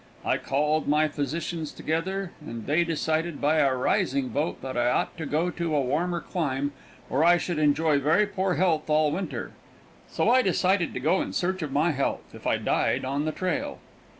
I called my physicians together, and they decided by a rising vote that I ought to go to a warmer clime, or I should enjoy very poor health all winter. So I decided to go in search of my health, if I died on the trail.